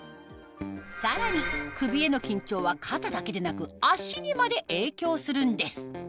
さらに首への緊張は肩だけでなく足にまで影響するんです